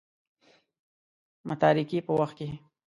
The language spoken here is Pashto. متارکې په وخت کې.